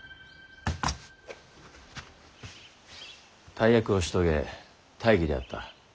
大役を仕遂げ大儀であった。